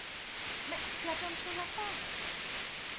Mais tu as plein de choses à faire.